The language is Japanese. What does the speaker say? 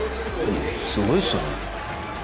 すごいっすよね。